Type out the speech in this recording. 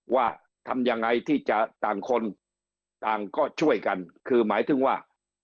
ว่าทำยังไงที่จะต่างคนต่างก็ช่วยกันคือหมายถึงว่า